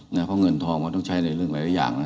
เพราะเงินทองมันต้องใช้ในเรื่องหลายอย่างนะ